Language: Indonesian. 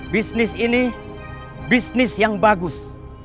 bisnis ini bisnis yang bagus